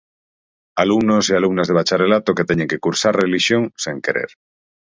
Alumnos e alumnas de bacharelato que teñen que cursar relixión sen querer.